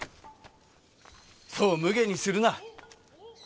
そうむげにするな。